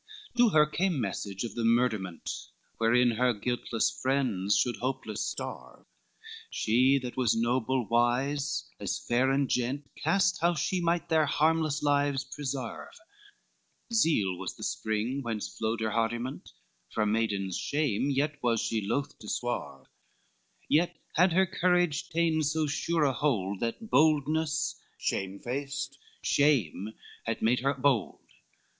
XVII To her came message of the murderment, Wherein her guiltless friends should hopeless starve, She that was noble, wise, as fair and gent, Cast how she might their harmless lives preserve, Zeal was the spring whence flowed her hardiment, From maiden shame yet was she loth to swerve: Yet had her courage ta'en so sure a hold, That boldness, shamefaced; shame had made her bold.